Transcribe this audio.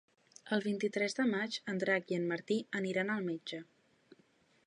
El vint-i-tres de maig en Drac i en Martí aniran al metge.